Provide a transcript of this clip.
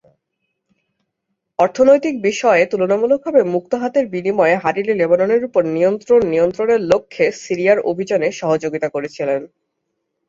অর্থনৈতিক বিষয়ে তুলনামূলকভাবে মুক্ত হাতের বিনিময়ে হারিরি লেবাননের উপর নিয়ন্ত্রণ নিয়ন্ত্রণের লক্ষ্যে সিরিয়ার অভিযানে সহযোগিতা করেছিলেন।